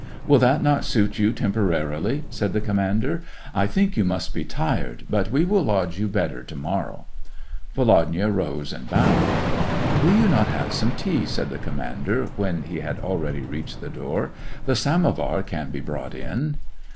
" Will that not suit you, temporarily }" said the commander. — "I think you must be tired, but we will lodge you better to morrow." Volodya rose and bowed. " Will you not have some tea >" said the com mander, when he had already reached the door. The samovar can be brought in."